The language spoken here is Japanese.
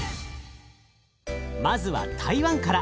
まずは台湾から。